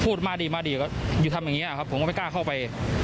มาดีมาดีก็อยู่ทำอย่างนี้ครับผมก็ไม่กล้าเข้าไป